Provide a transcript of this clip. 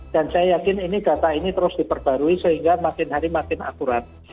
dan saya yakin ini data ini terus diperbarui sehingga makin hari makin akurat